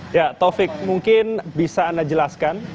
ya taufik mungkin bisa anda jelaskan